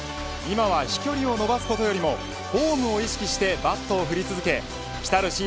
今は飛距離を伸ばすことよりもフォームを意識してバットを振り続け来る